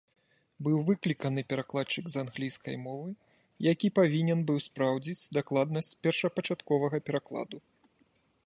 Быў выкліканы перакладчык з англійскай мовы, які павінен быў спраўдзіць дакладнасць першапачатковага перакладу.